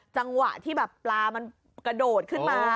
จังหวะที่แบบปลามันกระโดดขึ้นมา